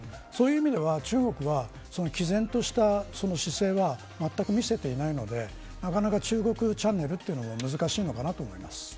そういう意味では中国は、毅然とした姿勢はまったく見せていないのでなかなか中国チャンネルというのは難しいのかなと思います。